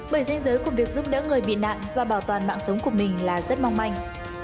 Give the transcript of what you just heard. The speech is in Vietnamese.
bởi danh giới của việc giúp đỡ người bị nạn và bảo toàn mạng sống của mình là rất mong manh